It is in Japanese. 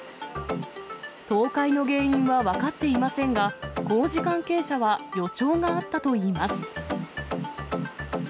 倒壊の原因は分かっていませんが、工事関係者は予兆があったといいます。